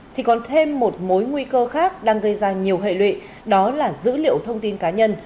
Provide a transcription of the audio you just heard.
thì còn thêm một mối nguy cơ khác đang gây ra nhiều hệ lụy đó là dữ liệu thông tin cá nhân